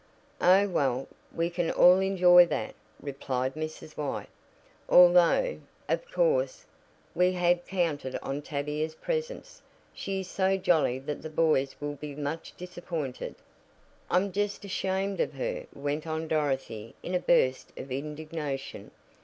"Oh, well, we can all enjoy that," replied Mrs. White, "although, of course, we had counted on Tavia's presence. She is so jolly that the boys will be much disappointed." "I'm just ashamed of her," went on Dorothy in a burst of indignation.